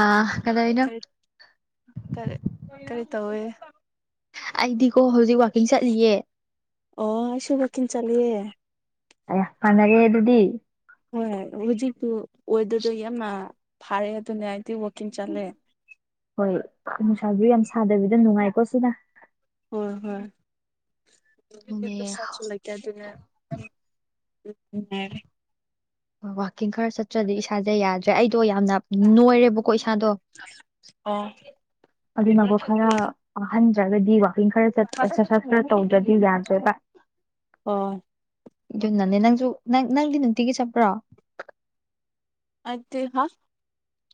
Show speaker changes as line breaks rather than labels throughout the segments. ꯑꯥ ꯀꯩꯗꯧꯔꯤꯅꯣ
ꯀꯔꯤ ꯀꯔꯤ ꯇꯧꯋꯦ
ꯑꯩꯗꯤꯀꯣ ꯍꯧꯖꯤꯛ ꯋꯥꯀꯤꯡ ꯆꯠꯂꯤꯌꯦ
ꯑꯣ ꯑꯩꯁꯨ ꯋꯥꯀꯤꯡ ꯆꯠꯂꯤꯌꯦ
ꯑꯌꯥ ꯃꯅꯩꯌꯦ ꯑꯗꯨꯗꯤ
ꯍꯣꯏ ꯍꯧꯖꯤꯛꯇꯨ ꯑꯣꯏꯗꯔꯗ ꯌꯥꯝꯅ ꯐꯥꯔꯦ ꯑꯗꯨꯅ ꯑꯩꯗꯤ ꯋꯥꯛꯀꯤꯡ ꯆꯠꯂꯦ
ꯍꯣꯏ ꯅꯨꯡꯁꯥꯁꯨ ꯌꯥꯝ ꯁꯥꯗꯕꯤꯗ ꯅꯨꯡꯉꯥꯏꯀꯣ ꯁꯤꯅ
ꯍꯣꯏ ꯍꯣꯏ
ꯅꯦ
ꯍꯣꯏ ꯑꯗꯨꯅ ꯌꯥꯝ ꯅꯨꯡꯉꯥꯏꯔꯦ
ꯋꯥꯥꯛꯀꯤꯡ ꯈꯔ ꯆꯠꯇ꯭ꯔꯗꯤ ꯏꯁꯥꯁꯦ ꯌꯥꯗ꯭ꯔꯦ ꯑꯩꯗꯣ ꯌꯥꯝꯅ ꯅꯣꯏꯔꯦꯕ ꯀꯣ ꯏꯁꯥꯗꯣ
ꯑꯣ
ꯑꯗꯨꯅꯀꯣ ꯈꯔ ꯋꯥꯥꯍꯟꯗ꯭ꯔꯒꯗꯤꯀꯣ ꯋꯥꯀꯤꯡ ꯈꯔ ꯆꯠꯄꯥ ꯑꯦꯛꯁꯔꯁꯥꯏꯁ ꯈꯔ ꯇꯧꯗ꯭ꯔꯗꯤ ꯌꯥꯗ꯭ꯔꯦꯕ
ꯑꯣ
ꯑꯗꯨ ꯅꯅꯦ ꯅꯪꯁꯨ ꯅꯪ ꯅꯪꯗꯤ ꯅꯨꯡꯇꯤꯒꯤ ꯆꯠꯄ꯭ꯔꯣ
ꯑꯩꯗꯤ ꯍꯥ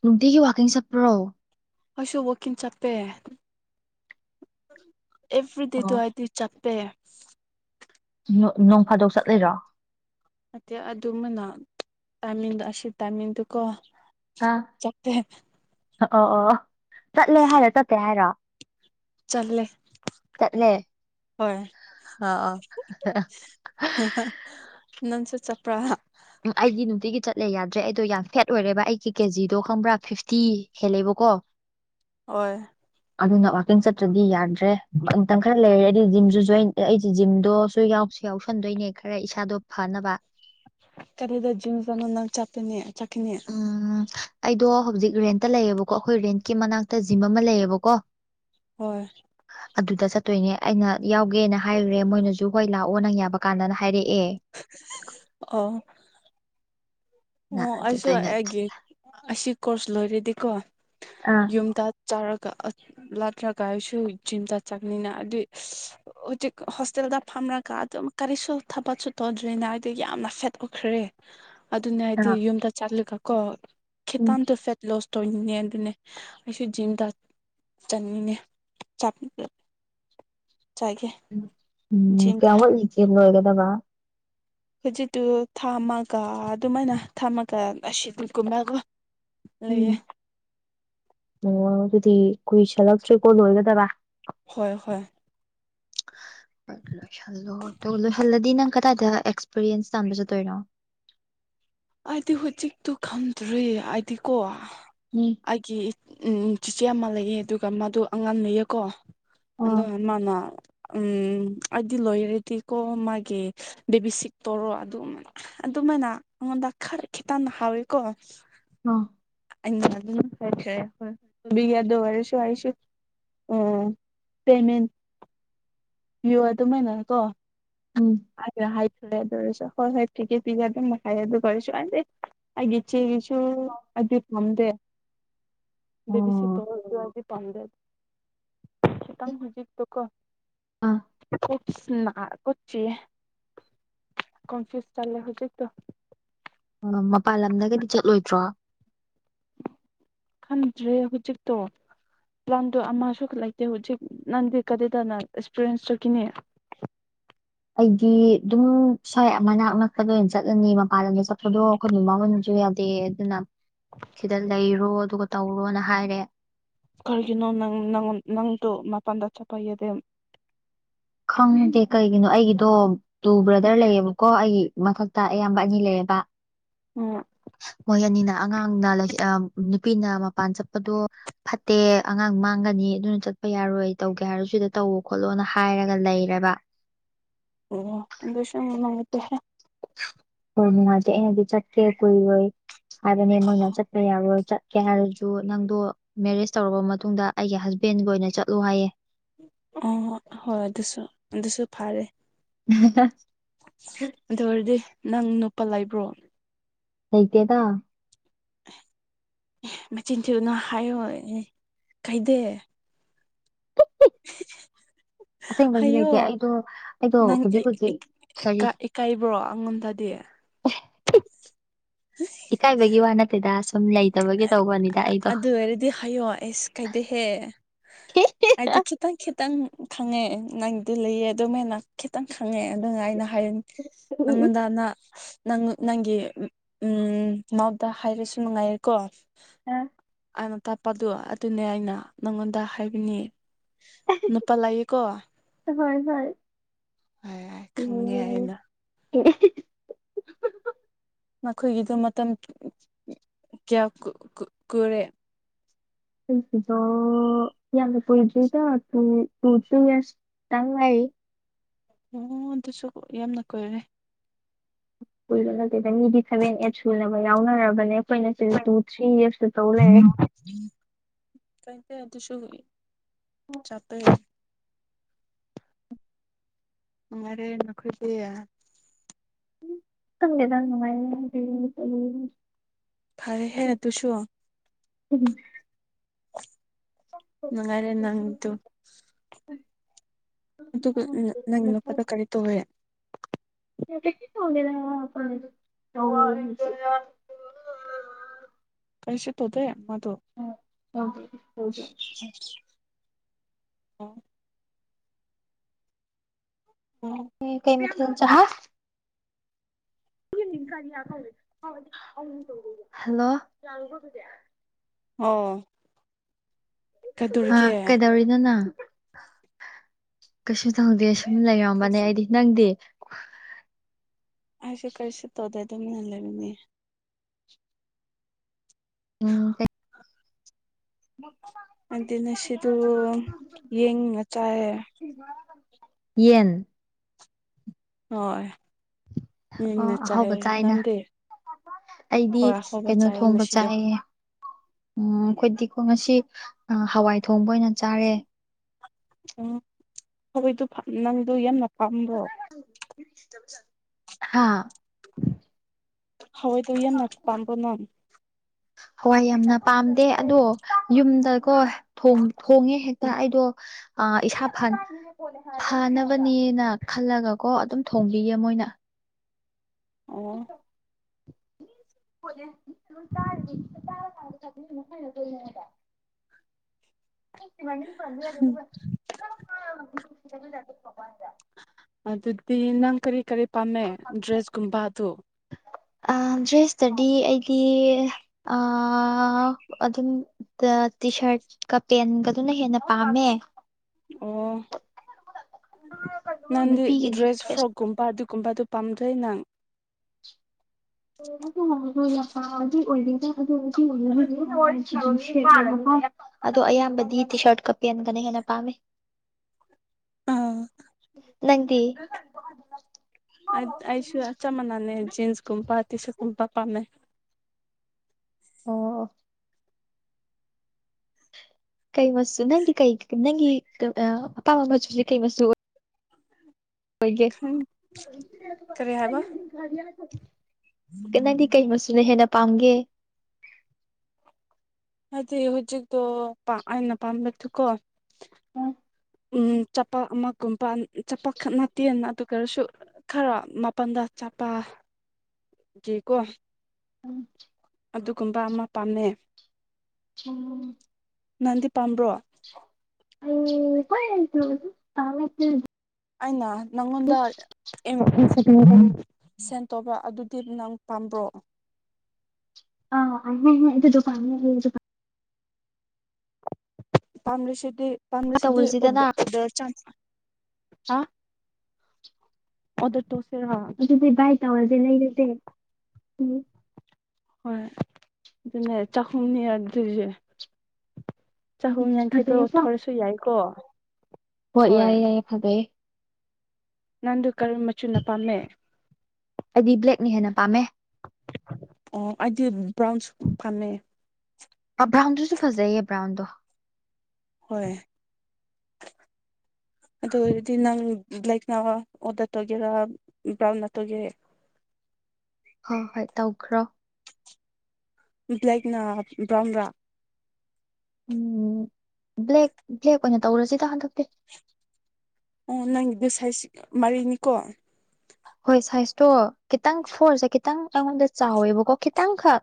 ꯅꯨꯡꯇꯤꯒꯤ ꯋꯥꯀꯤꯡ ꯆꯠꯄ꯭ꯔꯣ
ꯑꯩꯁꯨ ꯋꯥꯀꯤ ꯆꯄꯄꯦ ꯑꯦꯕ꯭ꯔꯤ ꯗꯦ ꯇ
ꯑꯣ
ꯆꯠꯇ°
ꯅꯣꯡ ꯅꯣꯡꯐꯥꯗꯣꯛ ꯆꯠꯂꯤꯔꯣ
ꯅꯠꯇꯦ ꯑꯗꯨꯝꯃꯥꯏꯅ ꯇꯥꯏꯃꯤꯡꯗꯣ ꯑꯁꯤ ꯇꯥꯏꯃꯤꯡꯗꯨꯀꯣ
ꯑꯥ
ꯆꯠꯄꯦ
ꯑꯣ ꯑꯣ ꯆꯠꯂꯦ ꯍꯥꯏꯔꯣ ꯆꯠꯇꯦ ꯍꯥꯏꯔꯣ
ꯆꯠꯂꯦ
ꯆꯠꯂꯦ
ꯍꯣꯏ
ꯑꯥ ꯑꯥ
ꯅꯪꯁꯨ ꯆꯠꯄ꯭ꯔꫭ
ꯎꯝ ꯑꯩꯗꯤ ꯅꯨꯡꯇꯤꯒꯤ ꯆꯠꯂꯦ ꯌꯥꯗ꯭ꯔꯦ ꯑꯩꯗꯣ ꯌꯥꯝ ꯐꯦꯠ ꯑꯣꯏꯔꯦꯕ ꯑꯩꯒꯤ ꯀꯦꯖꯤꯗꯣ ꯈꯪꯕ꯭ꯔꯥ ꯐꯤꯞꯇꯤ ꯍꯦꯜꯂꯦꯕꯀꯣ [inaudible]
ꯍꯣꯏ
ꯑꯗꯨꯅ ꯋꯥꯛꯀꯤꯡ ꯆꯠꯇ꯭ꯔꯗꯤ ꯌꯥꯗ꯭ꯔꯦ ꯃꯇꯝ ꯈꯔꯥ ꯂꯩꯔꯗꯤ ꯖꯤꯝꯁꯨ ꯖꯣꯏꯟ ꯑꯩꯁꯦ ꯖꯤꯝꯗꯣꯁꯨ ꯌꯥꯎꯁꯨ ꯌꯥꯎꯁꯟꯗꯣꯏꯅꯦ ꯈꯔ ꯏꯁꯥꯗꯣ ꯐꯅꯕ
ꯀꯔꯤꯗ ꯖꯤꯝꯁ ꯑꯃ ꯅꯪ ꯆꯠꯄꯅꯦ ꯆꯠꯈꯤꯅꯤ
ꯎꯝ ꯑꯩꯗꯣ ꯍꯧꯖꯤꯛ ꯔꯦꯟꯇ ꯂꯩꯌꯦꯕꯀꯣ ꯑꯩꯈꯣꯏ ꯔꯦꯟꯠꯀꯤ ꯃꯅꯥꯛꯇ ꯖꯤꯝ ꯑꯃ ꯂꯩꯌꯦꯕꯀꯣ [inaudible]
ꯍꯣꯏ
[inaudible] ꯑꯗꯨꯗ ꯆꯠꯇꯣꯏꯅꯦ ꯑꯩꯅ ꯌꯥꯎꯒꯦꯅ ꯍꯥꯏꯔꯨꯔꯦ ꯃꯣꯏꯅꯁꯨ ꯍꯣꯏ ꯂꯥꯛꯑꯣ ꯅꯪ ꯌꯥꯕ ꯀꯥꯟꯗꯅ ꯍꯥꯏꯔꯛꯑꯦ
ꯑꯣ
ꯅ
ꯑꯣ
ꯑꯗꯨꯗ
ꯑꯩꯁꯨ
ꯑꯩꯅ
ꯑꯩꯒꯤ ꯑꯁꯤ ꯀꯣꯔꯁ ꯂꯣꯏꯔꯦꯗꯤꯀꯣ
ꯑꯥ
ꯌꯨꯝꯗ ꯆꯥꯔꯒ ꯂꯥꯛꯇ꯭ꯔꯒ ꯑꯩꯁꯨ ꯖꯤꯝꯗ ꯆꯠꯀꯅꯤꯅ ꯑꯗꯨꯏ ꯍꯧꯖꯤꯛ ꯍꯣꯁꯇꯦꯜꯗ ꯐꯝꯔꯒ ꯑꯗꯨꯝ ꯀꯔꯤꯁꯨ ꯊꯥꯕꯛꯁꯨ ꯇꯧꯗ꯭ꯔꯤꯅ ꯑꯩꯗꯨ ꯌꯥꯝꯅ ꯁꯦꯠ ꯑꯣꯏꯈ꯭ꯔꯦ ꯑꯗꯨꯅ ꯑꯩꯗꯤ
ꯑꯥ
ꯌꯨꯝꯗ ꯆꯠꯂꯒ ꯀꯣ
ꯎꯝ
ꯈꯤꯇꯪꯗꯨ ꯁꯦꯠ ꯂꯣꯁ ꯇꯧꯅꯤꯡꯉꯦ ꯑꯗꯨꯅꯦ ꯑꯩꯁꯨ ꯖꯤꯝꯗ ꯆꯠꯅꯤꯡꯅꯦ ꯆꯥꯛ ꯆꯥꯒꯦ
ꯎꯝ
ꯖꯤꯝꯗ
ꯀꯌꯥꯝ ꯋꯥꯠꯂꯤꯒꯦ ꯂꯣꯏꯒꯗꯕ
ꯍꯧꯖꯤꯛꯇꯨ ꯊꯥꯑꯃꯒ ꯑꯗꯨꯃꯥꯏꯅ ꯊꯝꯃꯒ ꯑꯁꯤꯗꯤꯒꯨꯝꯅꯀꯣ
ꯎꯝ ꯑꯣ ꯑꯗꯨꯗꯤ ꯀꯨꯏꯁꯜꯂꯛꯇ꯭ꯔꯦꯀꯣ ꯂꯣꯏꯒꯗꯕ
ꯍꯣꯏ ꯍꯣꯏ
ꯂꯣꯏꯁꯜꯂꯣ ꯑꯗꯨ ꯂꯣꯏꯁꯜꯂꯗꯤ ꯅꯪ ꯀꯗꯥꯏꯗ ꯑꯦꯛꯁꯄꯤꯔꯤꯌꯦꯟꯁ ꯇꯥꯟꯕ ꯆꯠꯇꯣꯏꯅꯣ
ꯑꯩꯗꯤ ꯍꯧꯖꯤꯛꯇꯨ ꯈꯪꯗ꯭ꯔꯦ ꯑꯩꯗꯤ ꯀꯣ
ꯎꯝ
ꯑꯩ ꯀꯤ ꯎꯝ ꯆꯤꯆꯦ ꯑꯃ ꯂꯩꯌꯦ ꯑꯗꯨꯒ ꯃꯥꯗꯣ ꯑꯉꯥꯡ ꯂꯩꯌꯦꯀꯣ
ꯑ
ꯑꯗꯣ ꯃꯥꯅꯥ ꯎꯝ ꯑꯩꯗꯤ ꯂꯣꯏꯔꯗꯤꯀꯣ ꯃꯥꯒꯤ ꯕꯦꯕꯤ ꯁꯤꯠꯇꯧꯔ ꯑꯗꯨꯝ ꯑꯗꯨꯃꯥꯏꯅ ꯑꯩꯉꯣꯟꯗ ꯈꯥꯔ ꯈꯤꯇꯪ ꯍꯥꯎꯋꯦꯀꯣ
ꯑꯥ
[unintelligible] ꯑꯣꯏꯔꯁꯨ ꯑꯩꯁꯨ ꯑꯣ ꯄꯦꯃꯦꯟ ꯄꯤꯌꯣ ꯑꯗꯨꯃꯥꯏꯅ ꯀꯣ
ꯎꯝ
[unintelligible] ꯑꯗꯨ ꯑꯣꯏꯔꯁꯨ ꯍꯣꯏ ꯍꯣꯏ ꯄꯤꯒꯦ ꯄꯤꯒꯦ ꯑꯗꯨꯝ ꯍꯥꯏ ꯑꯗꯨ ꯑꯣꯏꯔꯁꯨ [unintelligible] ꯑꯩꯒꯤ ꯏꯆꯦꯒꯤꯁꯨ ꯑꯗꯨ ꯄꯥꯝꯗꯦ
ꯎꯝ
[unintelligible] ꯄꯥꯝꯗꯦ ꯈꯤꯇꯪ ꯍꯧꯖꯤꯛꯇꯨꯀꯣ
ꯑꯣ
[unintelligible] [unintelligible] ꯀꯣꯟꯐ꯭ꯌꯨꯖ ꯆꯠꯂꯦ ꯍꯧꯖꯤꯛ ꯇꯣ
ꯑꯣ ꯃꯄꯥꯟ ꯂꯝꯗꯒꯗꯤ ꯆꯠꯂꯣꯏꯗ꯭ꯔꯣ
ꯈꯪꯗ꯭ꯔꯦ ꯍꯧꯖꯤꯛꯇꯣ ꯄ꯭ꯂꯥꯟꯗꯣ ꯑꯃꯁꯨ ꯂꯩꯇꯦ ꯍꯧꯖꯤꯛ ꯅꯪꯗꯤ ꯀꯗꯥꯏꯗꯅ ꯑꯦꯛꯁꯄꯤꯔꯤꯌꯦꯟꯁ ꯆꯠꯀꯅꯤ
ꯑꯩꯗꯤ ꯑꯗꯨꯝ ꯁ꯭ꯋꯥꯏ ꯃꯅꯥꯛ ꯅꯛꯄꯗ ꯑꯣꯏꯅ ꯆꯠꯂꯅꯤ ꯃꯄꯥꯟ ꯂꯝꯗ ꯆꯠꯄꯗꯣ ꯑꯩꯈꯣꯏ ꯃꯃꯥ ꯍꯣꯏꯅꯁꯨ ꯌꯥꯗꯦ ꯑꯗꯨꯅ ꯁꯤꯗ ꯂꯩꯔꯣ ꯑꯗꯨꯒ ꯇꯧꯔꯣꯅ ꯍꯥꯏꯔꯦ
ꯀꯩꯒꯤꯅꯣ ꯅꯪ ꯅꯪ ꯅꯪꯗꯨ ꯃꯄꯥꯟꯗ ꯆꯠꯄ ꯌꯥꯗꯦ
ꯈꯪꯗꯦ ꯀꯩꯒꯤꯅꯣ ꯑꯩꯒꯤꯗꯣ ꯇꯨ ꯕ꯭ꯔꯗꯔ ꯂꯩꯌꯦꯕꯀꯣ ꯑꯩꯒꯤ ꯃꯊꯛꯇ ꯑꯌꯥꯝꯕ ꯑꯅꯤ ꯂꯩꯌꯦꯕ
ꯎꯝ
ꯃꯣꯏ ꯑꯅꯤꯅ ꯑꯉꯥꯡꯅ ꯑ ꯅꯨꯄꯤꯅ ꯃꯄꯥꯟ ꯆꯠꯄꯗꯣ ꯐꯠꯇꯦ ꯑꯉꯥꯡ ꯃꯥꯡꯒꯅꯤ ꯑꯗꯨꯅ ꯆꯠꯄ ꯌꯥꯔꯣꯏ ꯇꯧꯒꯦ ꯍꯥꯏꯔꯁꯨ ꯁꯤꯗ ꯇꯧꯋꯣ ꯈꯣꯠꯂꯣꯅ ꯍꯥꯏꯔꯒ ꯒ ꯂꯩꯔꯕ
ꯑꯣ [unintelligible]
ꯍꯣꯏ ꯅꯨꯡꯉꯥꯏꯇꯦ ꯑꯩꯅꯗꯤ ꯆꯠꯀꯦ ꯀꯨꯏꯔꯣꯏ ꯍꯥꯏꯕꯅꯦ ꯃꯣꯏꯅ ꯆꯠꯄ ꯌꯥꯔꯣꯏ ꯆꯠ ꯀꯦ ꯍꯥꯏꯔꯁꯨ ꯅꯪꯗꯣ ꯃꯦꯔꯤꯖ ꯇꯧꯔꯕ ꯃꯇꯨꯡꯗ ꯑꯩꯒꯤ ꯍꯁꯕꯦꯟꯒꯤ ꯑꯣꯏꯅ ꯆꯠꯂꯨ ꯍꯥꯏꯌꯦ꯫
ꯑꯣꯍꫭ ꯍꯣꯏ ꯑꯗꯨꯁꯨ ꯑꯗꯨꯁꯨ ꯐꯔꯦ꯫
[unintelligible]
ꯑꯗꯨ ꯑꯣꯏꯔꯗꯤ ꯅꯪ ꯅꯨꯞꯄ ꯂꯩꯕ꯭ꯔꯣ꯫
ꯂꯩꯇꯦꯗꯥ꯫
ꯑꯦ ꯃꯆꯤꯟ ꯊꯤꯎꯅꯨ ꯍꯥꯏꯌꯣ ꯑꯦ ꯀꯥꯏꯗꯦ꯫
[unintelligible] ꯑꯁꯦꯡꯕꯒꯤ
ꯍꯥꯏꯌꯣ
ꯂꯩꯇꯦ ꯑꯩꯗꯣ ꯑꯩꯗꯣ ꯍꯧꯖꯤꯛ-ꯍꯧꯖꯤꯛ ꯈꯔꯤ꯫
ꯀꯩꯕ꯭ꯔꯣ ꯑꯩꯉꯣꯟꯗꯗꯤ꯫ [unintelligible]
ꯏꯀꯥꯏꯕꯒꯤ ꯋꯥ ꯅꯠꯇꯦꯗꯥ ꯁꯨꯝ ꯂꯩ
[unintelligible] ꯑꯗꯨ ꯑꯣꯏꯔꯗꯤ ꯍꯥꯏꯌꯣ ꯑꯦꯁ ꯀꯥꯏꯗꯦꯍꯦ꯫
[unintelligible]
ꯑꯩꯗꯨ ꯈꯤꯇꯪ-ꯈꯤꯇꯪ ꯈꯪꯉꯦ ꯅꯪꯗꯨ ꯂꯩꯌꯦ ꯑꯗꯨꯃꯥꯏꯅ ꯈꯤꯇꯪ ꯈꯪꯉꯦ ꯑꯗꯨꯅ ꯑꯩꯅ ꯍꯥꯏꯌꯦꯟ ꯅꯪꯉꯣꯟꯗꯅ ꯅꯪ ꯅꯪꯒꯤ [unintelligible] ꯃꯥꯎꯠꯗ ꯍꯥꯏꯔꯁꯨ ꯅꯨꯡꯉꯥꯏꯔꯦꯀꯣ꯫
ꯑ꯫
ꯑꯅ ꯇꯥꯛꯄꯗꯣ ꯑꯗꯨꯅꯦ ꯑꯩꯅ ꯅꯪꯉꯣꯟꯗ ꯍꯥꯏꯕꯅꯤ ꯅꯨꯄꯥ ꯂꯩꯌꯦꯀꯣ꯫
ꯍꯣꯏ ꯍꯣꯏ꯫
ꯍꯥꯏ-ꯍꯥꯏ ꯈꯪꯉꯦ ꯑꯩꯅ꯫
[unintelligible]
ꯅꯈꯣꯏꯒꯤꯗꯣ ꯃꯇꯝ [unintelligible] ꯀꯌꯥ ꯀꯨ ꯀꯨ ꯀꯨꯔꯦ꯫
ꯑꯩꯒꯤꯗꯣ ꯌꯥꯝꯅ ꯀꯨꯏꯗ꯭ꯔꯤꯗ ꯇꯨ ꯇꯨ ꯊ꯭ꯔꯤ ꯌꯦꯔꯁ ꯇꯪ ꯉꯥꯥꯏꯔꯤ꯫
ꯑꯣ ꯑꯗꯨꯁꯨ ꯌꯥꯝꯅ ꯀꯨꯏꯔꯦ꯫
ꯀꯨꯏꯕ ꯅꯠꯇꯦꯗ ꯃꯤꯗꯤ ꯁꯚꯦꯟ ꯑꯦꯠ ꯁꯨꯅꯕ ꯌꯥꯎꯅꯔꯕꯅꯦ ꯑꯈꯣꯏꯅ ꯁꯤꯗ ꯇꯨ ꯊ꯭ꯔꯤ ꯌꯦꯔꯁꯇ ꯇꯧ ꯂꯩꯔꯦ꯫
ꯀꯥꯏꯗꯦ ꯑꯗꯨꯁꯨ ꯆꯠꯄ ꯌꯥꯏ꯫ ꯅꯨꯡꯉꯥꯏꯔꯦ ꯅꯈꯣꯏꯗꯤ꯫
ꯈꯪꯗꯦꯗ ꯅꯨꯡꯉꯥꯏ [inaudible]
ꯐꯔꯦꯍꯦ ꯑꯗꯨꯁꯨ꯫
ꯎꯝ
ꯅꯨꯡꯉꯥꯏꯔꯦ ꯅꯪ ꯇꯨ꯫ ꯑꯗꯨꯒ ꯅ ꯅꯪꯒꯤ ꯅꯨꯄꯥꯗꯨ ꯀꯔꯤ ꯇꯧꯋꯦ꯫
ꯀꯩꯁꯨ ꯇꯧꯗꯦꯗ [inaudible]
ꯀꯩꯁꯨ ꯇꯧꯗꯦ ꯃꯥꯗꯨ꯫
ꯑ ꯇꯧꯗꯦ꯫
[unintelligible] [inaudible]
ꯀꯩ ꯃꯊꯦꯟ ꯆꯥ ꯍꯥ꯫ [inaudible] ꯍꯜꯂꯣ [inaudible]
ꯑꯣ꯫
ꯍꯥ
ꯀꯩꯗꯧꯔꯤꯒꯦ
ꯀꯩꯗꯧꯔꯤꯅꫭ ꯅꯪ ꯀꯩꯁꯨ ꯇꯧꯗꯦ꯫ ꯎꯝ ꯂꯩꯔꯝꯕꯅꯦ
ꯀꯔꯤꯁꯨ
ꯑꯩꯗꯤ ꯅꯪꯗꯤ꯫
ꯑꯩꯁꯨ ꯀꯔꯤꯁꯨ ꯇꯧꯗꯦ ꯑꯗꯨꯃꯤꯅ ꯂꯩꯕꯅꯤ꯫
[unintelligible] ꯅ [inaudible]
ꯑꯗꯨꯅ ꯁꯤꯗ ꯌꯦꯡꯉ ꯆꯥꯏ [unintelligible]
ꯌꯦꯟ
ꯍꯣꯏ
ꯑꯣ
ꯌꯦꯟꯒ
ꯑꯍꯥꯎꯕ
ꯆꯥꯏꯌꯦ
ꯆꯥꯏꯅ
ꯅꯪꯗꯤ
ꯑꯩꯗꯤ
ꯍꯣꯏ ꯍꯋꯥꯏ
ꯀꯩꯅꯣ
ꯆꯥꯏꯌꯦ
ꯊꯣꯡꯕ
ꯉꯁꯤꯗꯣ
ꯆꯥꯏꯑꯦ ꯎꯝ ꯑꯩꯈꯣꯏꯗꯤꯀꯣ ꯉꯁꯤ ꯍꯋꯥꯏ ꯊꯣꯡꯕ ꯑꯣꯏꯅ ꯆꯥꯔꯦ
ꯎꯝ ꯍꯣꯏꯗꯨ ꯅꯪꯗꯣ ꯌꯥꯝꯅ ꯄꯥꯝꯕ꯭ꯔꯣ
ꯍꯥꯥ
ꯍꯣꯌꯥꯏꯗꯣ ꯌꯥꯝ ꯅ ꯄꯝꯕ‍꯭ꯔꯣ ꯅꯪ
ꯍꯋꯥꯏ ꯌꯥꯝꯅ ꯄꯥꯝꯗꯦ ꯑꯗꯣ ꯌꯨꯝꯗꯀꯣ ꯊꯣꯡꯉꯦ ꯍꯦꯛꯇ ꯑꯩꯗꯣ ꯑꯥ ꯏꯁꯥ ꯐꯅꯕꯅꯦꯅ ꯈꯜꯂꯒꯀꯣ ꯑꯗꯨꯝ ꯊꯣꯡꯕꯤꯌꯦ ꯃꯣꯏꯅ
ꯑꯣ
ꯣꯠ ꯈꯗ [unintelligible] ꯌꯥꯦ ꯄ [unintelligible]
ꯑꯗꯨꯗꯤ ꯅꯪ ꯀꯔꯤ ꯀꯔꯤ ꯄꯥꯝꯃꯦ ꯗ꯭ꯔꯦꯁꯀꯨꯝꯕꯗꯣ
ꯑꯥ ꯗ꯭ꯔꯦꯁꯇꯗꯤ ꯑꯩꯗꯤ ꯑ ꯑꯗꯨ ꯑꯗꯨꯝ ꯇꯤ ꯁꯥꯔꯠꯀ ꯄꯦꯟꯒꯗꯨꯅ ꯍꯦꯟꯅ ꯄꯥꯝꯃꯦ
ꯑꯣ ꯅꯥꯟꯗꯤ ꯗ꯭ꯔꯦꯁ ꯐ꯭ꯔꯣꯛꯒꯨꯝꯕ ꯑꯗꯨ ꯀꯨꯝꯕꯗꯣ ꯄꯥꯝꯗ꯭ꯔꯥ ꯅꯪ
ꯗꯤꯗ ꯑꯗꯨ ꯍꯧꯖꯤ [unintelligible] ꯑꯗꯣ ꯑꯌꯥꯝꯕꯗꯤ ꯇꯤ ꯁꯥꯔꯠꯀ ꯄꯦꯟꯅꯒꯅ ꯍꯦꯟꯅ ꯄꯥꯝꯃꯦ
ꯑꯥ
ꯅꯪꯗꯤ
ꯑꯩꯁꯨ ꯆꯞ ꯃꯥꯟꯅꯩ ꯖꯤꯟꯁꯀꯨꯝꯕ ꯇꯤ ꯁꯔꯠꯀꯨꯝꯕ ꯄꯥꯝꯃꯦ
ꯑꯣ ꯑꯣ ꯀꯩ ꯃꯆꯨ ꯅꯪꯒꯤ ꯑꯄꯥꯝꯕ ꯃꯆꯨꯁꯦ ꯀꯩ ꯃꯆꯨ ꯑꯣꯏꯒꯦ
ꯈ [unintelligible]
ꯅꯪꯗꯤ ꯀꯩ ꯃꯆꯨꯅ ꯍꯦꯟꯅ ꯄꯥꯝꯒꯦ
ꯍꯥꯏꯗꯤ ꯍꯧꯖꯤꯛꯇꯣ ꯑꯩꯅ ꯄꯥꯝꯕꯗꯤꯀꯣ ꯎꯝ ꯆꯄꯥꯛ ꯑꯃꯒꯨꯝꯕ ꯆꯄꯥꯛ ꯈꯠ ꯅ ꯇꯦꯅ ꯑꯗꯨꯒꯔꯁꯨ [unintelligible] ꯈꯔ ꯃꯥꯄꯜꯗ ꯆꯕꯒꯤꯀꯣ
ꯎꯝ
ꯑꯗꯨꯒꯨꯝꯕ ꯑꯃ ꯄꯥꯝꯃꯦ
ꯎꯝ [unintelligible]
ꯅꯪꯗꯤ ꯄꯥꯝꯕ꯭ꯔꯣ
ꯑ ꯀꯣꯏ ꯇ ꯀꯃꯦ [unintelligible]
ꯑꯩꯅ ꯅꯪꯉꯣꯟꯗ ꯁꯦꯟ ꯇꯣꯕ꯭ꯔ ꯑꯗꯨꯗꯤ ꯅꯪ ꯄꯥꯝꯕ꯭ꯔꯣ [unintelligible]
ꯑ ꯑ ꯑꯗꯨꯗꯨ [unintelligible]
ꯄꯥꯝꯕꯁꯤꯗꯤ ꯄꯥꯝꯕꯁꯤꯗꯤ
ꯇꯧꯔꯁꯤꯗꯅ
ꯑꯗꯣ ꯇꯧꯁꯤ ꯍꯥ
ꯑꯗꯨꯗꯤ ꯚꯏ ꯇꯧꯔꯁꯦ ꯂꯩꯔꯁꯦ ꯎꯝ
ꯍꯣꯏ ꯑꯗꯨꯅꯦ ꯆꯥꯛꯍꯨꯝꯅꯦ ꯆꯍꯨꯝ ꯌꯥꯡꯈꯩꯗꯣ
ꯐꯖꯩꯀꯣ
ꯊꯧꯔꯁꯨ ꯌꯥꯏꯀꯣ
ꯍꯣꯏ ꯌꯥꯏꯦ ꯌꯥꯏꯌꯦ ꯐꯖꯩꯌꯦ
ꯅꯪꯗꯨ ꯀꯔꯤ ꯃꯆꯨꯅ ꯄꯥꯝꯃꯦ
ꯑꯩꯗꯤ ꯕ꯭ꯂꯦꯛꯅ ꯍꯦꯟꯅ ꯄꯥꯝꯃꯦ
ꯑꯣ ꯑꯩꯗꯤ ꯕ꯭ꯔꯥꯎꯟꯁꯨ ꯐꯥꯝꯃꯦ
ꯕ꯭ꯔꯥꯎꯟꯗꯨꯁꯨ ꯐꯖꯩꯌꯦ ꯕ꯭ꯔꯥꯎꯟꯗꯣ
ꯍꯣꯏ ꯑꯗꯨ ꯑꫭꯎꯔꯗꯤ ꯅꯪ ꯕ꯭ꯂꯥꯏ ꯅ ꯑꯣꯗ ꯇꯒꯦꯔ [unintelligible]
ꯍꯣꯏ ꯍꯣꯏ ꯇꯧꯈ꯭ꯔꯣ
ꯕ꯭ꯂꯦꯛꯅ ꯕ꯭ꯔꯥꯎꯟ ꯔꯥ
ꯎꯝ ꯕ꯭ꯂꯦꯛ ꯕ꯭ꯂꯦꯛ ꯑꯣꯏꯅ ꯇꯧꯔꯁꯤꯗ ꯍꯟꯗꯛꯇꯤ
ꯑꯣ ꯅꯪꯒꯤꯗꫭ ꯁꯋꯥꯏꯁꯤ ꯃꯔꯤꯅꯤꯀꯣ
ꯍꯣꯏ ꯁꯥꯏꯖꯇꯣ ꯈꯤꯇꯪ ꯐꯣꯔꯁꯦ ꯈꯤꯇꯪ ꯑꯩꯉꯣꯟꯗ ꯆꯥꯎꯋꯦꯕꯀꯣ ꯈꯤꯇꯪꯈꯛ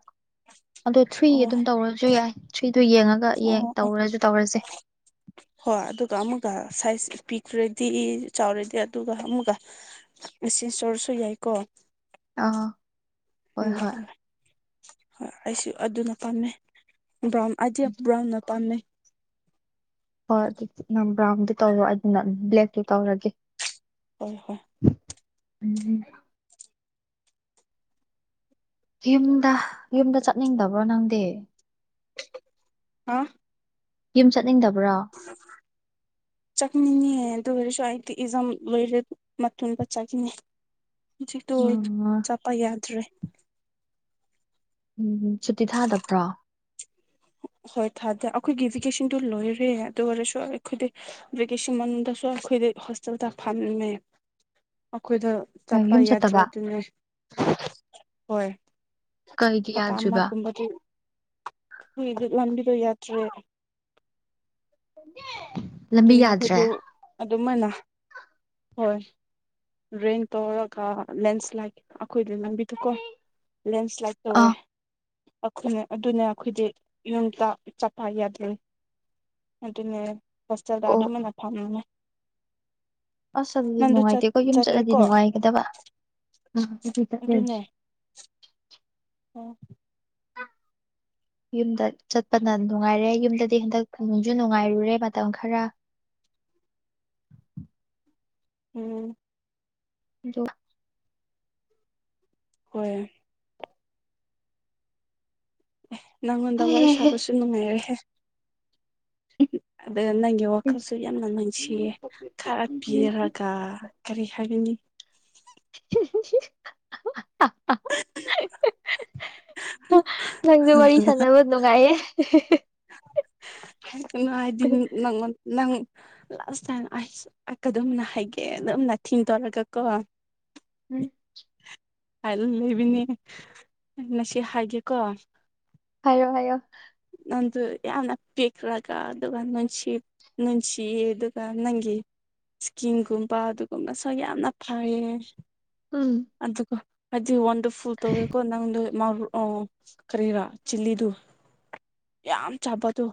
ꯑꯗꯣ ꯊ꯭ꯔꯤ
ꯑꯣ
ꯑꯗꯨꯝ ꯇꯧꯔꯁꯨ ꯌꯥꯏ ꯊ꯭ꯔꯤꯗꯣ ꯌꯦꯡꯉꯒ ꯌꯦꯡ
ꯑꯣ
ꯇꯧꯔꯁꯨ ꯇꯧꯔꯁꯦ
[inaudible] ꯍꯣꯏ ꯑꯗꯨꯒ ꯑꯃꯒ ꯁꯥꯏꯖ ꯄꯤꯈ꯭ꯔꯗꯤ ꯆꯥꯎꯔꯗꯤ ꯑꯗꯨꯒ ꯑꯃꯒ ꯁꯤ ꯁꫭꯏꯔꯁꯨ ꯌꯥꯏꯀꯣ
ꯑꯥ ꯍꯣꯏ ꯍꯣꯏ
ꯎꯝ ꯍꯣꯏ ꯑꯩꯁꯨ ꯑꯗꯨꯅ ꯄꯥꯝꯃꯦ ꯕ꯭ꯔꯥꯎꯟ ꯑꯗꯤ ꯕ꯭ꯔꯥꯎ ꯄꯝꯃꯦ
ꯍ ꯑꯗꯨꯗꯤ ꯅꯪ ꯭ꯔꯥꯎꯟꯗꯨ ꯇꯧꯕ ꯑꯗꯨ ꯅ ꯕ꯭ꯂꯦꯛꯗꯨ ꯇꯧꯔꯒꯦ
ꯍꯣꯏ ꯍꯣꯏ
[inaudible] ꯌꯨꯝꯗ ꯌꯨꯝꯗ ꯆꯠꯅꯤꯡꯗꯕ꯭ꯔꯣ ꯅꯪꯗꯤ
ꯍꯥ
ꯌꯨꯝ ꯆꯠꯅꯤꯡꯗꯕ꯭ꯔꫭ
ꯆꯠꯅꯤꯡꯉ ꯑꯗꯨ ꯑꯣꯏꯔꯁꯨ ꯑꯩꯗꯤ ꯏꯖꯝ ꯂꯔꯦ ꯃꯇꯨꯡꯗꯥ ꯆꯠꯅꯤ ꯍꯧꯖꯤꯗꯣ
ꯎꯝ
ꯆꯠꯄ ꯌꯥꯗ꯭ꯔꯦ
ꯎꯝ ꯁꯨꯇꯤ ꯊꯥꯗꯕ꯭ꯔꯣ
ꯍꯣꯏ ꯊꯥꯗꯦ ꯑꯩꯈꯣꯏꯒꯤ ꯚꯤꯀꯦꯁꯟꯗꯨ ꯂꯣꯏꯔꯦ ꯑꯗꯨ ꯑꯣꯏꯔꯁꯨ ꯑꯩꯈꯣꯏꯗꯤ ꯕꯀꯦꯟ ꯃꯅꯨꯡꯗꯁꯨ ꯑꯩꯈꯣꯏꯗ ꯍꯣꯁꯇꯦꯜꯗ ꯐꯝꯃꯦ ꯑꯩꯈꯣꯏꯗꫭ
ꯑꯦ
ꯆꯠꯄ
ꯌꯨꯝ
ꯌꯥꯗ꯭ꯔꯦ
ꯆꯠꯇꯕ
ꯑꯗꯨꯅꯦ ꯍꯣꯏ
ꯀꯒꯤ
ꯍꯞꯇꯥ
ꯌꯥꯗꯔꯤꯕꯥ
ꯀꯨꯏꯔ° ꯔꯝꯕꯤꯗꯣ ꯌꯥꯗ꯭ꯔꯦ
[inaudible]
ꯑꯗꯨꯅ
ꯌꯥꯗ꯭ꯔꯦ
ꯑꯩꯈꯣꯏꯗ ꯑꯗꯨꯝꯥꯏ ꯍꯣꯏ ꯔꯦꯟ ꯇꯧꯔꯒ ꯂꯦꯟꯁ꯭ꯂꯥꯏꯠ ꯑꯩꯈꯣꯏꯗ ꯂꯝꯕꯤꯗꯨꯀꯣ ꯂꯦꯟꯁ꯭ꯂꯥꯏꯠ ꯇꯧꯋꯦ
ꯑꯥ
ꯑꯩꯈꯣꯏ ꯑꯗꯨꯅ ꯑꯩꯈꯣꯏꯗꯤ ꯌꯨꯝꯗ ꯆꯞꯄ ꯌꯥꯗ꯭ꯔ° ꯑꯗꯨꯅꯦ ꯍꯣꯁꯇꯦꯜꯗ
ꯑꯣ
ꯑꯗꯨꯝꯅ ꯊꯝꯃꯦ
ꯑꯁ ꯑꯗꯨꯗꯤ ꯅꯨꯡꯉꯥꯏꯇꯦ ꯀꫭ ꯌꯨꯝ ꯆꯠꯂꯗꯤ
ꯆꯠꯂꯦꯀꯣ
ꯅꯨꯡꯉꯥꯏꯒꯗꯕ [inaudible]
ꯑꯗꯨꯅꯦ [inaudible]
ꯌꯨꯝꯗ ꯆꯠꯄꯅ ꯅꯨꯡꯉꯥꯏꯔꯦ ꯌꯨꯝꯗꯗꯤ ꯍꯟꯗꯛꯅꯨꯡꯁꯨ ꯅꯨꯡꯉꯥꯏꯔꯨꯔꯦ ꯃꯇꯝ ꯈꯔ
ꯎꯝ
[unintelligible]
ꯍꯣꯏ ꯅꯪꯉꯣꯟꯗ ꯋꯥꯔꯤ
ꯍꯩꯍꯦ
ꯁꯥꯕꯁꯨ ꯅꯨꯡꯉꯥꯏꯔꯦꯍꯦ ꯑꯗꯨꯒ ꯅꯪꯒꯤ ꯋꯥꯈꯜꯁꯨ ꯌꯥꯝꯅ ꯅꯨꯡꯁꯤꯌꯦ ꯈꯔ ꯄꯤꯔꯒ ꯀꯔꯤ ꯍꯥꯏꯒꯅꯤ
[unintelligible] ꯅꯪꯗꯣ ꯋꯥꯔꯤ ꯁꯥꯟꯅꯕ ꯅꯨꯡꯉꯥꯏꯌꯦ
[unintelligible] ꯅꯪ ꯂꯥꯁ ꯇꯥꯏꯝ ꯑꯥ [unintelligible] ꯍꯥꯏꯒꯦ ꯅꯪꯅ ꯊꯤ ꯇꯧꯔꯒꯀꯣ [unintelligible] ꯉꯁꯤ ꯍꯥꯏꯒꯦꯀꯣ
ꯍꯥꯏꯌꯣ ꯍꯥꯏꯌꯣ
ꯅꯪꯗꯨ ꯌꯥꯝꯅ ꯄꯤꯛꯔꯒ ꯑꯗꯨꯒ ꯅꯨꯡꯁꯤ ꯅꯨꯡꯁꯤꯌꯦ ꯑꯗꯨꯒ ꯅꯪꯒꯤ ꯁꯀꯤꯟꯒꯨꯝꯕ ꯑꯗꯨꯒꯨꯝꯕꯁꯨ ꯌꯥꯝꯅ ꯐꯩꯌꯦ
ꯎꯝ
ꯑꯗꯨꯀꯣ ꯑꯩꯗꯤ ꯋꯥꯟꯗꯔꯐꯨꯜ ꯇꯧꯏꯀꯣ ꯅꯪꯗꯨ ꯃꯥꯕꯨ ꯑꯥ ꯀꯔꯤꯔ ꯆꯤꯂꯤꯗꯨ ꯌꯥꯝ ꯆꯥꯕꯗꯣ